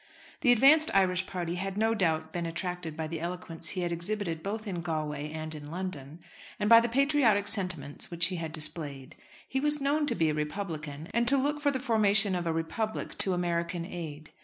The advanced Irish party had no doubt been attracted by the eloquence he had exhibited both in Galway and in London, and by the patriotic sentiments which he had displayed. He was known to be a Republican, and to look for the formation of a Republic to American aid.